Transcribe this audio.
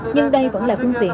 nhưng đây vẫn là phương tiện